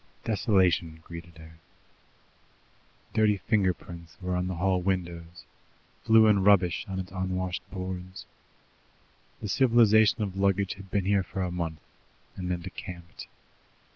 Desolation greeted her. Dirty finger prints were on the hall windows, flue and rubbish on its unwashed boards. The civilization of luggage had been here for a month, and then decamped.